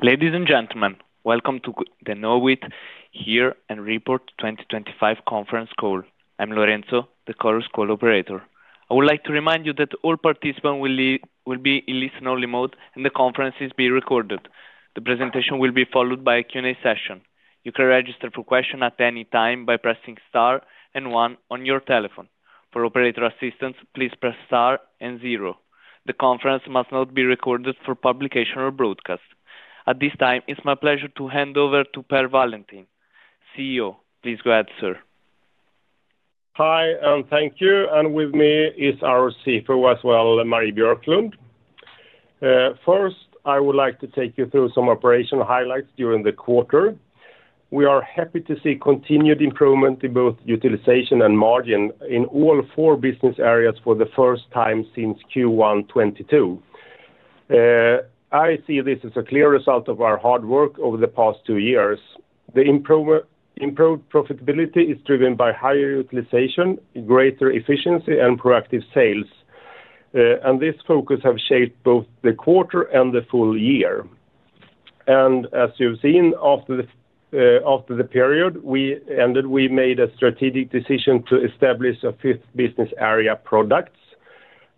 Ladies and gentlemen, welcome to the Knowit Year-end Report 2025 conference call. I'm Lorenzo, the call's operator. I would like to remind you that all participants will be in listen-only mode and the conference is being recorded. The presentation will be followed by a Q&A session. You can register for questions at any time by pressing star and one on your telephone. For operator assistance, please press star and zero. The conference must not be recorded for publication or broadcast. At this time, it's my pleasure to hand over to Per Wallentin, CEO. Please go ahead, sir. Hi, and thank you. With me is our CFO as well, Marie Björklund. First, I would like to take you through some operational highlights during the quarter. We are happy to see continued improvement in both utilization and margin in all four business areas for the first time since Q1 2022. I see this as a clear result of our hard work over the past two years. The improved profitability is driven by higher utilization, greater efficiency, and proactive sales, and this focus has shaped both the quarter and the full year. As you've seen, after the period we ended, we made a strategic decision to establish a fifth business area, Products.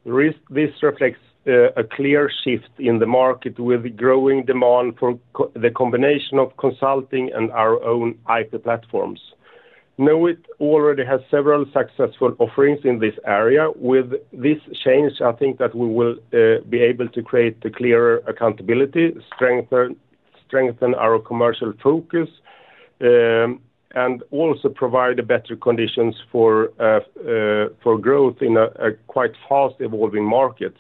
This reflects a clear shift in the market with growing demand for the combination of consulting and our own IT platforms. Knowit already has several successful offerings in this area. With this change, I think that we will be able to create clearer accountability, strengthen our commercial focus, and also provide better conditions for growth in a quite fast-evolving market.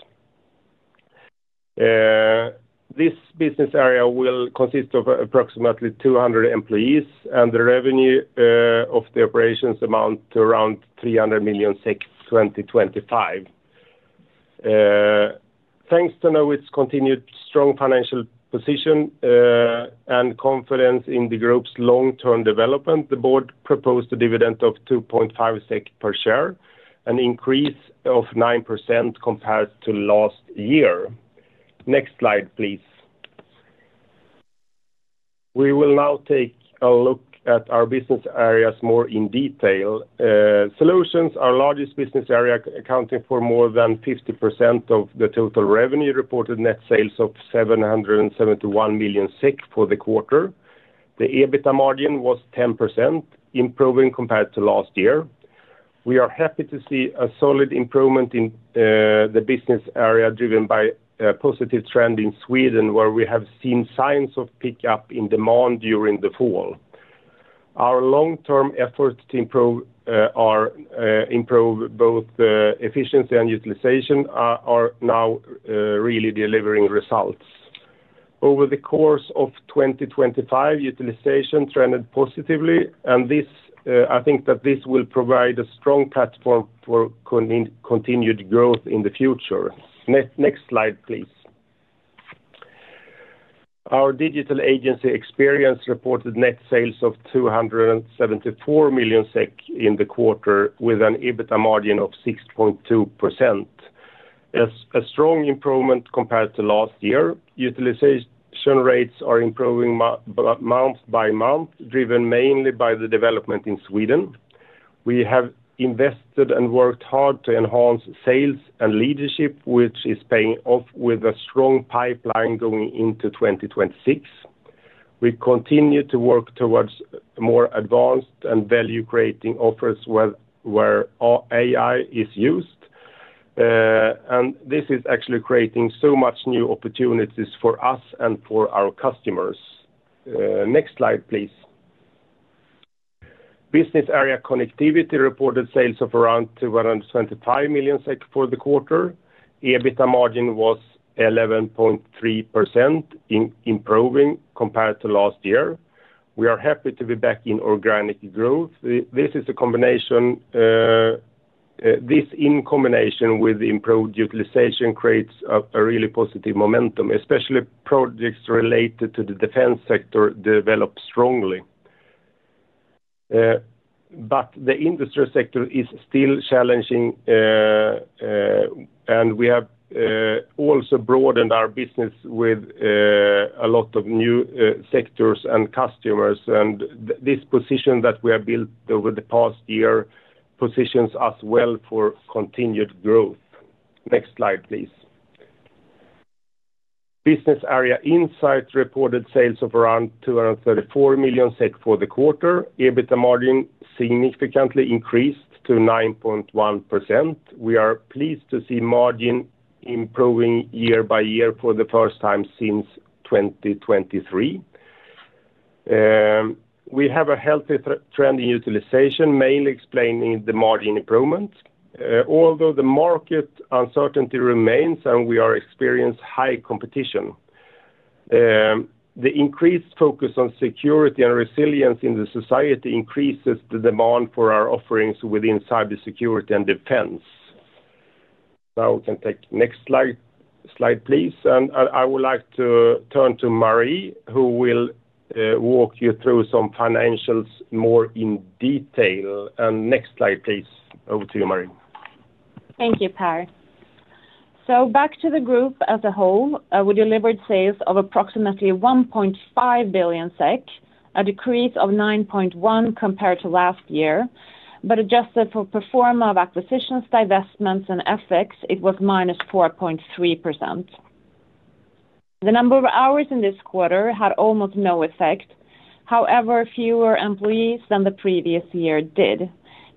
This business area will consist of approximately 200 employees and the revenue of the operations amount to around 300 million SEK 2025. Thanks to Knowit's continued strong financial position and confidence in the group's long-term development, the board proposed a dividend of 2.5 SEK per share, an increase of 9% compared to last year. Next slide, please. We will now take a look at our business areas more in detail. Solutions, our largest business area, accounting for more than 50% of the total revenue reported net sales of 771 million SEK for the quarter. The EBITDA margin was 10%, improving compared to last year. We are happy to see a solid improvement in the business area driven by a positive trend in Sweden where we have seen signs of pickup in demand during the fall. Our long-term efforts to improve both efficiency and utilization are now really delivering results. Over the course of 2025, utilization trended positively, and I think that this will provide a strong platform for continued growth in the future. Next slide, please. Our digital agency Experience reported net sales of 274 million SEK in the quarter with an EBITDA margin of 6.2%, a strong improvement compared to last year. Utilization rates are improving month by month, driven mainly by the development in Sweden. We have invested and worked hard to enhance sales and leadership, which is paying off with a strong pipeline going into 2026. We continue to work towards more advanced and value-creating offers where AI is used, and this is actually creating so much new opportunities for us and for our customers. Next slide, please. Business area Connectivity reported sales of around 225 million SEK for the quarter. EBITDA margin was 11.3%, improving compared to last year. We are happy to be back in organic growth. This is a combination in combination with improved utilization creates a really positive momentum, especially projects related to the defense sector develop strongly. But the industry sector is still challenging, and we have also broadened our business with a lot of new sectors and customers. And this position that we have built over the past year positions us well for continued growth. Next slide, please. Business area Insight reported sales of around 234 million SEK for the quarter. EBITDA margin significantly increased to 9.1%. We are pleased to see margin improving year by year for the first time since 2023. We have a healthy trend in utilization, mainly explaining the margin improvement. Although the market uncertainty remains and we are experiencing high competition, the increased focus on security and resilience in the society increases the demand for our offerings within cybersecurity and defense. Now we can take next slide, please. I would like to turn to Marie, who will walk you through some financials more in detail. Next slide, please. Over to you, Marie. Thank you, Per. So back to the group as a whole, we delivered sales of approximately 1.5 billion SEK, a decrease of 9.1% compared to last year. But adjusted for performance of acquisitions, divestments, and effects, it was -4.3%. The number of hours in this quarter had almost no effect. However, fewer employees than the previous year did.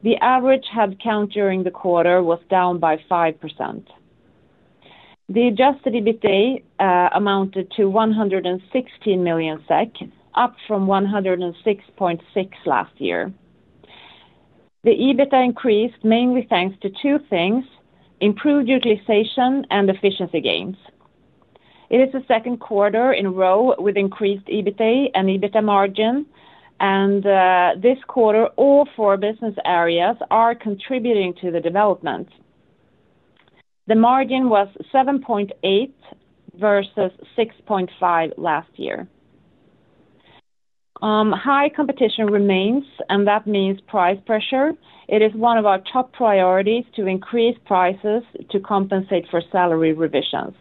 The average headcount during the quarter was down by 5%. The adjusted EBITDA amounted to 116 million SEK, up from 106.6 million last year. The EBITDA increased mainly thanks to two things: improved utilization and efficiency gains. It is the second quarter in a row with increased EBITDA and EBITDA margin, and this quarter, all four business areas are contributing to the development. The margin was 7.8% versus 6.5% last year. High competition remains, and that means price pressure. It is one of our top priorities to increase prices to compensate for salary revisions.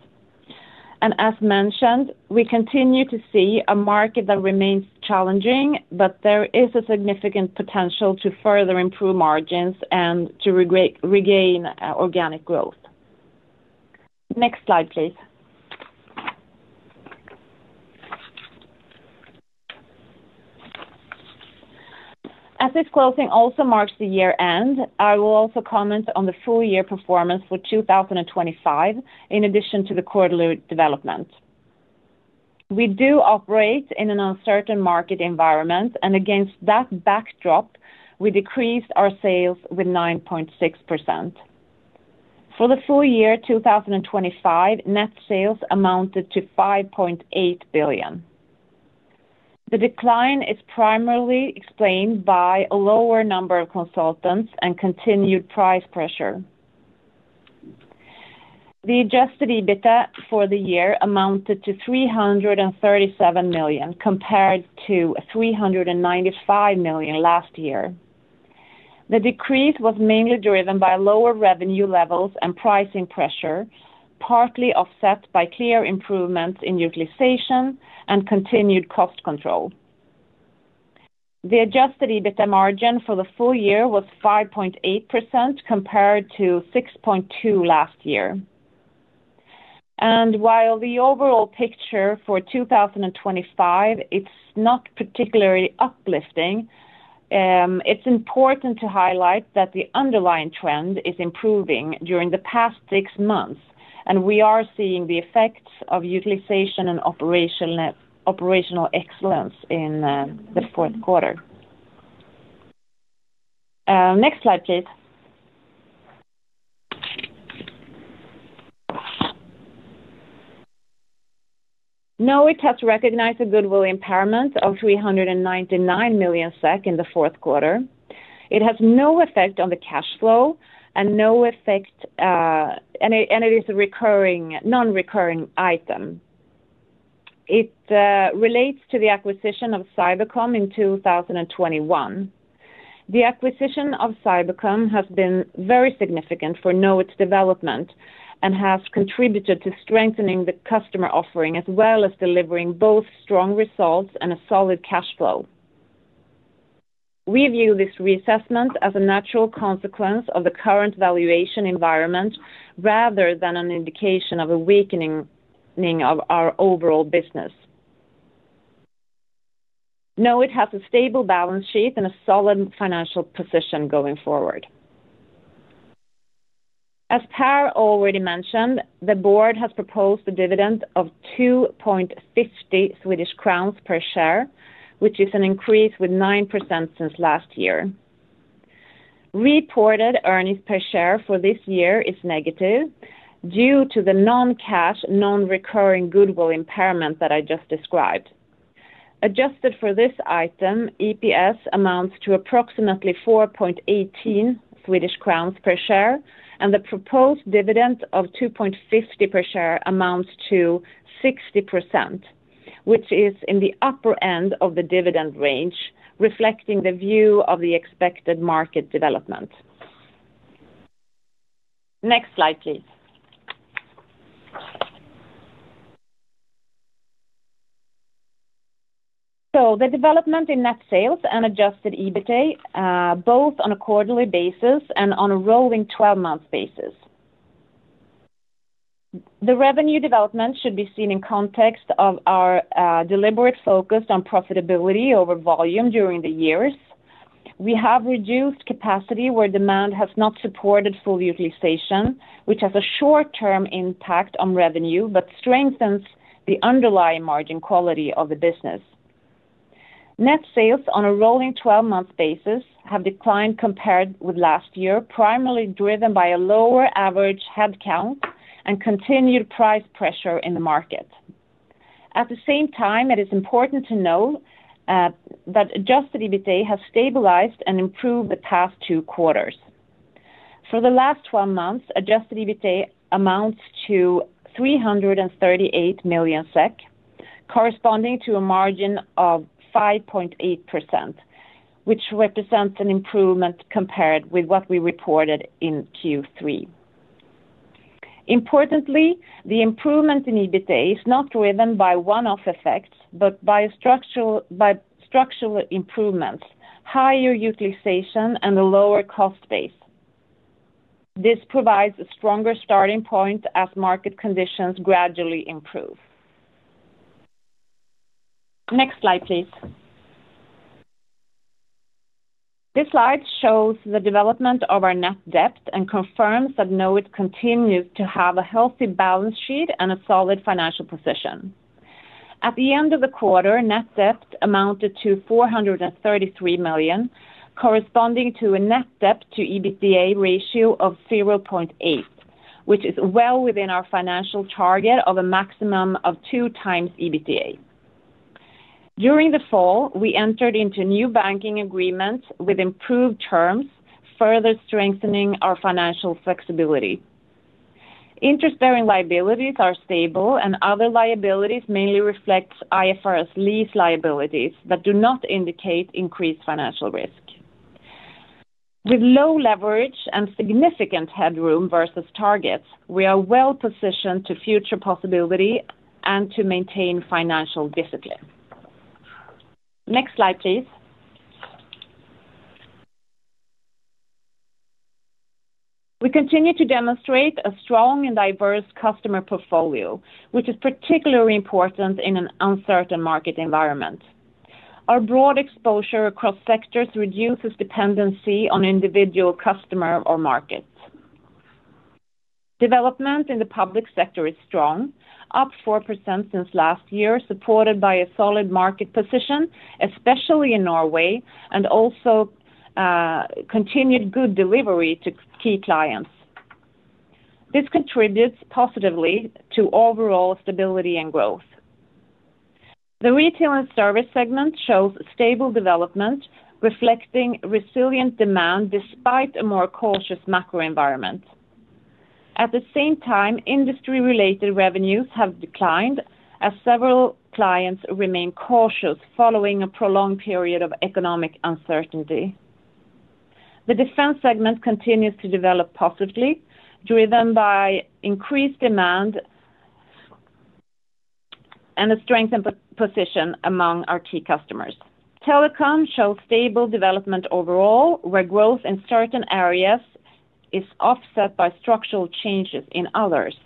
As mentioned, we continue to see a market that remains challenging, but there is a significant potential to further improve margins and to regain organic growth. Next slide, please. As this closing also marks the year-end, I will also comment on the full-year performance for 2025 in addition to the quarterly development. We do operate in an uncertain market environment, and against that backdrop, we decreased our sales with 9.6%. For the full year 2025, net sales amounted to 5.8 billion. The decline is primarily explained by a lower number of consultants and continued price pressure. The adjusted EBITDA for the year amounted to 337 million compared to 395 million last year. The decrease was mainly driven by lower revenue levels and pricing pressure, partly offset by clear improvements in utilization and continued cost control. The adjusted EBITDA margin for the full year was 5.8% compared to 6.2% last year. While the overall picture for 2025 is not particularly uplifting, it's important to highlight that the underlying trend is improving during the past six months, and we are seeing the effects of utilization and operational excellence in the fourth quarter. Next slide, please. Knowit has recognized the goodwill impairment of 399 million SEK in the fourth quarter. It has no effect on the cash flow and no effect and it is a non-recurring item. It relates to the acquisition of Cybercom in 2021. The acquisition of Cybercom has been very significant for Knowit's development and has contributed to strengthening the customer offering as well as delivering both strong results and a solid cash flow. We view this reassessment as a natural consequence of the current valuation environment rather than an indication of a weakening of our overall business. Knowit has a stable balance sheet and a solid financial position going forward. As Per already mentioned, the board has proposed a dividend of 2.50 Swedish crowns per share, which is an increase with 9% since last year. Reported earnings per share for this year is negative due to the non-cash, non-recurring goodwill impairment that I just described. Adjusted for this item, EPS amounts to approximately 4.18 Swedish crowns per share, and the proposed dividend of 2.50 per share amounts to 60%, which is in the upper end of the dividend range, reflecting the view of the expected market development. Next slide, please. The development in net sales and adjusted EBITDA, both on a quarterly basis and on a rolling 12-month basis. The revenue development should be seen in context of our deliberate focus on profitability over volume during the years. We have reduced capacity where demand has not supported full utilization, which has a short-term impact on revenue but strengthens the underlying margin quality of the business. Net sales on a rolling 12-month basis have declined compared with last year, primarily driven by a lower average headcount and continued price pressure in the market. At the same time, it is important to know that adjusted EBITDA has stabilized and improved the past two quarters. For the last 12 months, adjusted EBITDA amounts to 338 million SEK, corresponding to a margin of 5.8%, which represents an improvement compared with what we reported in Q3. Importantly, the improvement in EBITDA is not driven by one-off effects but by structural improvements, higher utilization, and a lower cost base. This provides a stronger starting point as market conditions gradually improve. Next slide, please. This slide shows the development of our net debt and confirms that Knowit continues to have a healthy balance sheet and a solid financial position. At the end of the quarter, net debt amounted to 433 million, corresponding to a net debt to EBITDA ratio of 0.8%, which is well within our financial target of a maximum of 2x EBITDA. During the fall, we entered into new banking agreements with improved terms, further strengthening our financial flexibility. Interest-bearing liabilities are stable, and other liabilities mainly reflect IFRS lease liabilities that do not indicate increased financial risk. With low leverage and significant headroom versus targets, we are well positioned to future possibility and to maintain financial discipline. Next slide, please. We continue to demonstrate a strong and diverse customer portfolio, which is particularly important in an uncertain market environment. Our broad exposure across sectors reduces dependency on individual customer or market. Development in the public sector is strong, up 4% since last year, supported by a solid market position, especially in Norway, and also continued good delivery to key clients. This contributes positively to overall stability and growth. The retail and service segment shows stable development, reflecting resilient demand despite a more cautious macro environment. At the same time, industry-related revenues have declined as several clients remain cautious following a prolonged period of economic uncertainty. The defense segment continues to develop positively, driven by increased demand and a strengthened position among our key customers. Telecom shows stable development overall, where growth in certain areas is offset by structural changes in others.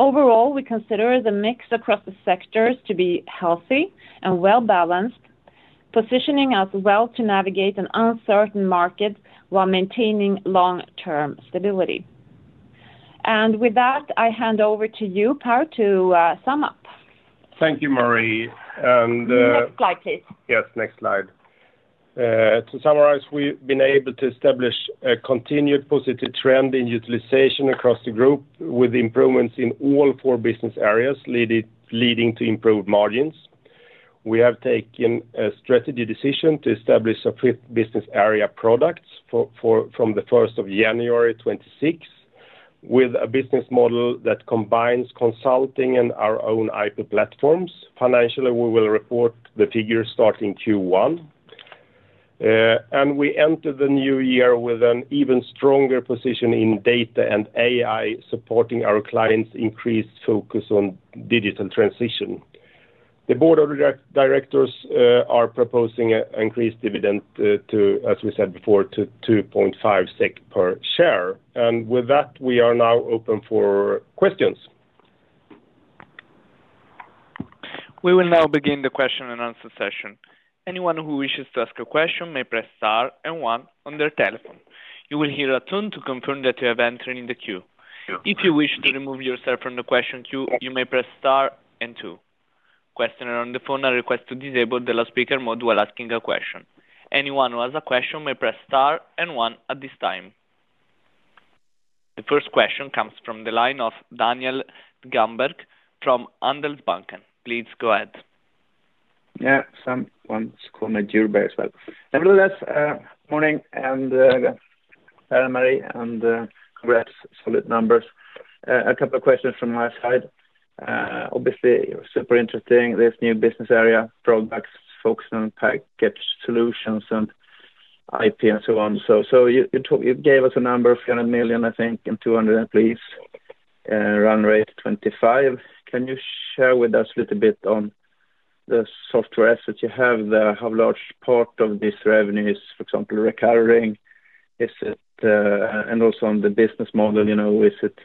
Overall, we consider the mix across the sectors to be healthy and well-balanced, positioning us well to navigate an uncertain market while maintaining long-term stability. With that, I hand over to you, Per, to sum up. Thank you, Marie. Next slide, please. Yes, next slide. To summarize, we've been able to establish a continued positive trend in utilization across the group with improvements in all four business areas, leading to improved margins. We have taken a strategy decision to establish a fifth business area Product from the 1st of January, 2026, with a business model that combines consulting and our own IP platforms. Financially, we will report the figures starting Q1. And we entered the new year with an even stronger position in data and AI, supporting our clients' increased focus on digital transition. The board of directors are proposing an increased dividend to, as we said before, to 2.5 per share. And with that, we are now open for questions. We will now begin the question-and-answer session. Anyone who wishes to ask a question may press star and one on their telephone. You will hear a tone to confirm that you have entered in the queue. If you wish to remove yourself from the question queue, you may press star and two. Questioner on the phone are requested to disable the loudspeaker mode while asking a question. Anyone who has a question may press star and one at this time. The first question comes from the line of Daniel Djurberg from Handelsbanken. Please go ahead. Yeah, someone's calling me Djurberg as well. Nevertheless, morning, and Per, Marie, and congrats, solid numbers. A couple of questions from my side. Obviously, super interesting, this new business area, Products, focus on package solutions, and IP, and so on. So you gave us a number, 300 million, I think, and 200 employees, run rate 25 million. Can you share with us a little bit on the software assets you have there? How large part of this revenue is, for example, recurring? And also on the business model, is it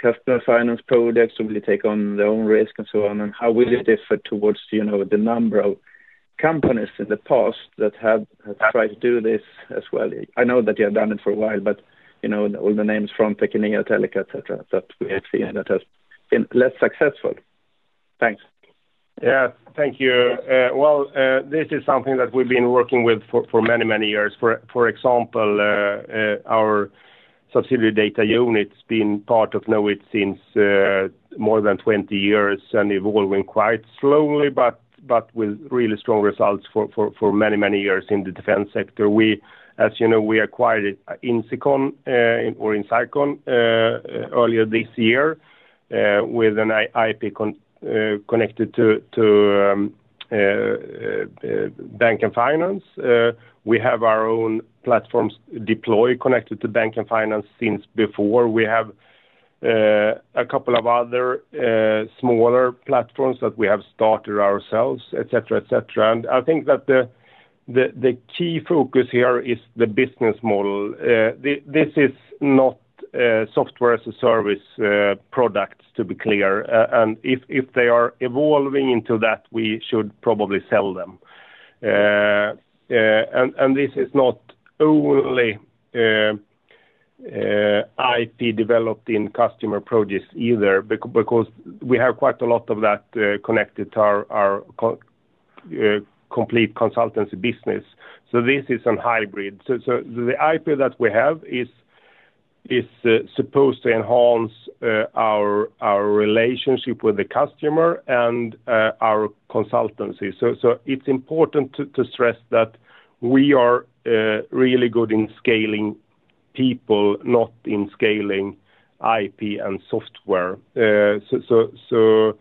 customer finance projects? Will you take on their own risk and so on? And how will it differ towards the number of companies in the past that have tried to do this as well? I know that you have done it for a while, but all the names from Technia, Teleca, etc., that we have seen that have been less successful. Thanks. Yeah, thank you. Well, this is something that we've been working with for many, many years. For example, our subsidiary Dataunit's been part of Knowit since more than 20 years and evolving quite slowly but with really strong results for many, many years in the defense sector. As you know, we acquired Insicon or Insicon earlier this year with an IP connected to bank and finance. We have our own platforms deployed connected to bank and finance since before. We have a couple of other smaller platforms that we have started ourselves, etc., etc. And I think that the key focus here is the business model. This is not software as a service products, to be clear. And if they are evolving into that, we should probably sell them. This is not only IP developed in customer projects either because we have quite a lot of that connected to our complete consultancy business. So this is a hybrid. So the IP that we have is supposed to enhance our relationship with the customer and our consultancy. So it's important to stress that we are really good in scaling people, not in scaling IP and software. So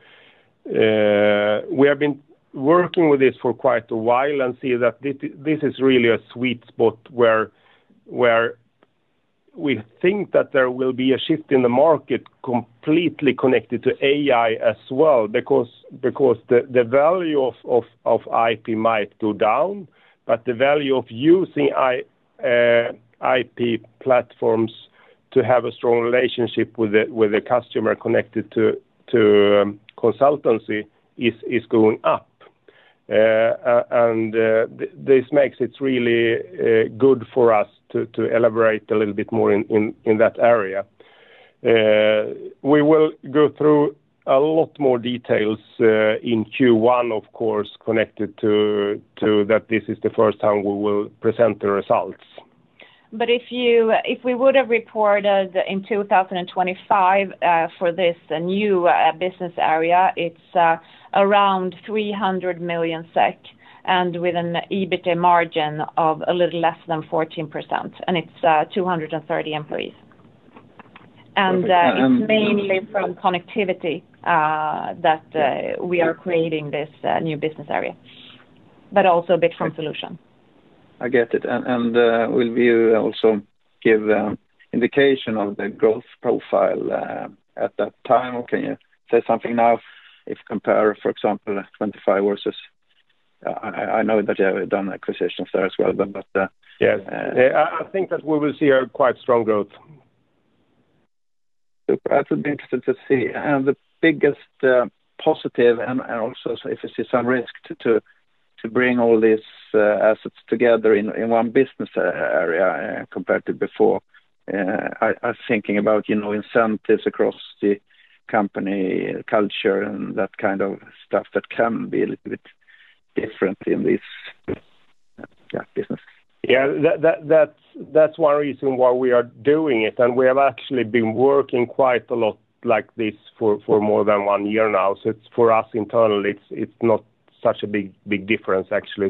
we have been working with this for quite a while and see that this is really a sweet spot where we think that there will be a shift in the market completely connected to AI as well because the value of IP might go down, but the value of using IP platforms to have a strong relationship with the customer connected to consultancy is going up. This makes it really good for us to elaborate a little bit more in that area. We will go through a lot more details in Q1, of course, connected to that this is the first time we will present the results. If we would have reported in 2025 for this new business area, it's around 300 million SEK and with an EBITDA margin of a little less than 14%. It's 230 employees. It's mainly from Connectivity that we are creating this new business area, but also a bit from Solutions. I get it. Will you also give an indication of the growth profile at that time, or can you say something now if compare, for example, 2025 versus? I know that you have done acquisitions there as well, but. Yes. I think that we will see quite strong growth. Super. That would be interesting to see. The biggest positive and also if you see some risk to bring all these assets together in one business area compared to before, I was thinking about incentives across the company culture and that kind of stuff that can be a little bit different in this, yeah, business. Yeah. That's why we assume why we are doing it. And we have actually been working quite a lot like this for more than one year now. So for us internally, it's not such a big difference, actually.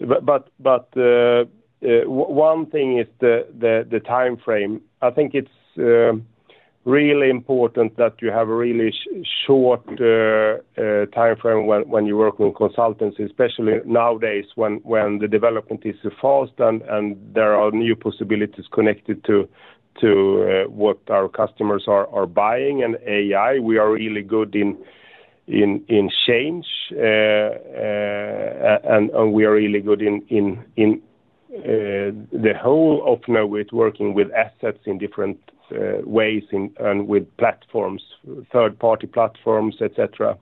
But one thing is the timeframe. I think it's really important that you have a really short timeframe when you work with consultancy, especially nowadays when the development is so fast and there are new possibilities connected to what our customers are buying and AI. We are really good in change, and we are really good in the whole of Knowit, working with assets in different ways and with platforms, third-party platforms, etc.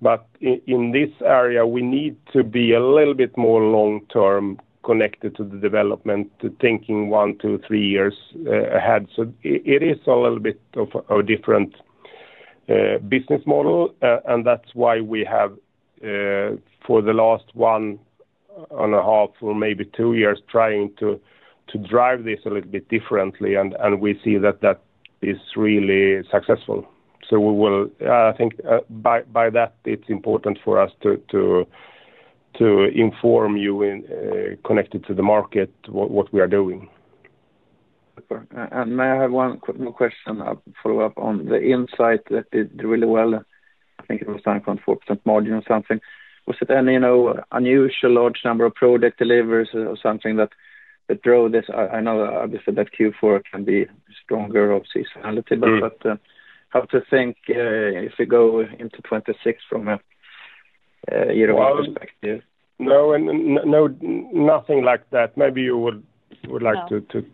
But in this area, we need to be a little bit more long-term connected to the development, thinking one, two, three years ahead. So it is a little bit of a different business model. And that's why we have, for the last one and half or maybe two years, tried to drive this a little bit differently. And we see that that is really successful. So I think by that, it's important for us to inform you connected to the market what we are doing. Super. And may I have one quick more question follow-up on the Insight that did really well? I think it was down to around 4% margin or something. Was it any unusual large number of product deliveries or something that drove this? I know obviously that Q4 can be stronger obviously seasonality, but how to think if we go into 2026 from a year-one perspective? No, nothing like that. Maybe you would like to.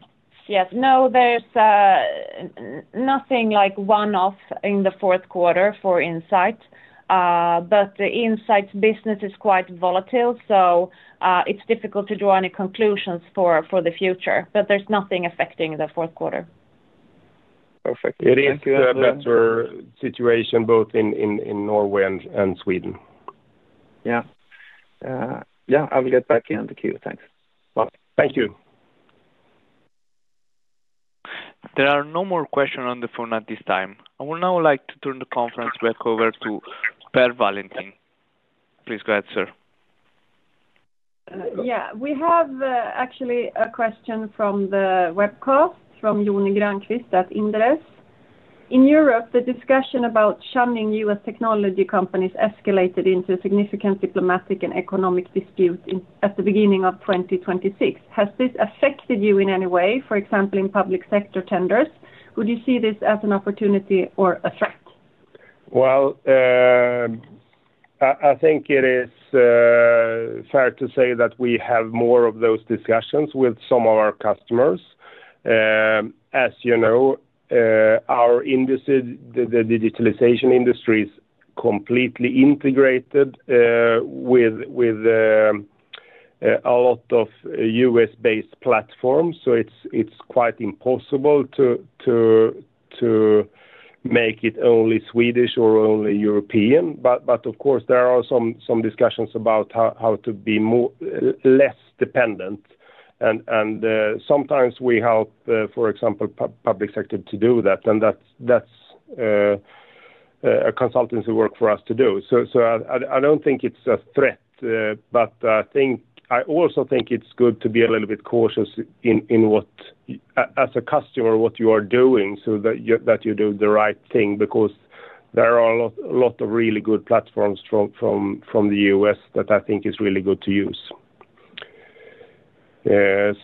Yes. No, there's nothing like one-off in the fourth quarter for Insight. But the Insight business is quite volatile, so it's difficult to draw any conclusions for the future. But there's nothing affecting the fourth quarter. Perfect. It is a better situation both in Norway and Sweden. Yeah. Yeah, I will get back here on the queue. Thanks. Thank you. There are no more questions on the phone at this time. I would now like to turn the conference back over to Per Wallentin. Please go ahead, sir. Yeah. We have actually a question from the webcast from Joni Grönqvist at Inderes. "In Europe, the discussion about shunning US technology companies escalated into a significant diplomatic and economic dispute at the beginning of 2026. Has this affected you in any way? For example, in public sector tenders, would you see this as an opportunity or a threat? Well, I think it is fair to say that we have more of those discussions with some of our customers. As you know, the digitalization industry is completely integrated with a lot of US based platforms. So it's quite impossible to make it only Swedish or only European. But of course, there are some discussions about how to be less dependent. And sometimes we help, for example, public sector to do that. And that's a consultancy work for us to do. So I don't think it's a threat. But I also think it's good to be a little bit cautious as a customer what you are doing so that you do the right thing because there are a lot of really good platforms from the US that I think is really good to use.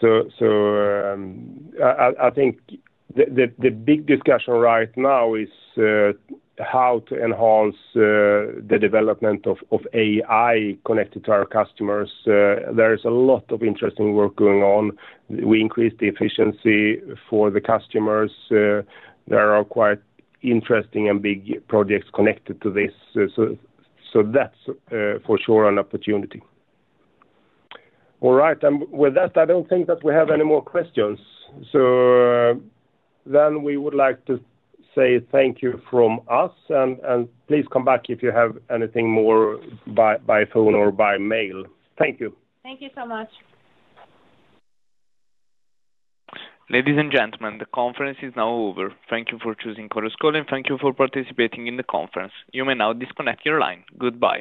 So I think the big discussion right now is how to enhance the development of AI connected to our customers. There is a lot of interesting work going on. We increased the efficiency for the customers. There are quite interesting and big projects connected to this. So that's for sure an opportunity. All right. And with that, I don't think that we have any more questions. So then we would like to say thank you from us. And please come back if you have anything more by phone or by mail. Thank you. Thank you so much. Ladies and gentlemen, the conference is now over. Thank you for choosing Chorus Call. Thank you for participating in the conference. You may now disconnect your line. Goodbye.